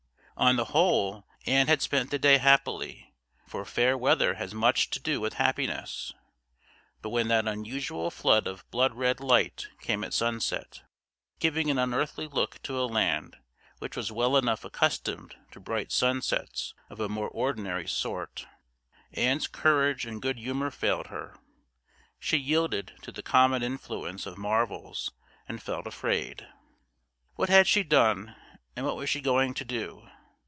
On the whole Ann had spent the day happily, for fair weather has much to do with happiness; but when that unusual flood of blood red light came at sunset, giving an unearthly look to a land which was well enough accustomed to bright sunsets of a more ordinary sort, Ann's courage and good humour failed her; she yielded to the common influence of marvels and felt afraid. What had she done, and what was she going to do?